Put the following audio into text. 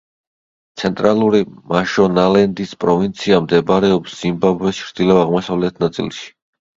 ცენტრალური მაშონალენდის პროვინცია მდებარეობს ზიმბაბვეს ჩრდილო-აღმოსავლეთ ნაწილში.